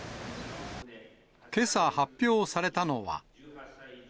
けさ発表されたのは。